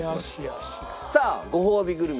さあごほうびグルメ